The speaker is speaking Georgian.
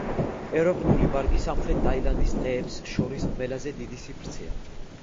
ეროვნული პარკი სამხრეთ ტაილანდის ტყეებს შორის ყველაზე დიდი სივრცეა.